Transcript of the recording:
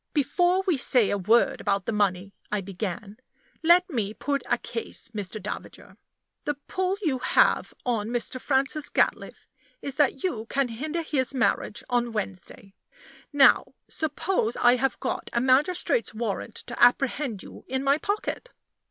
"Before we say a word about the money," I began, "let me put a case, Mr. Davager. The pull you have on Mr. Francis Gatliffe is, that you can hinder his marriage on Wednesday. Now, suppose I have got a magistrate's warrant to apprehend you in my pocket?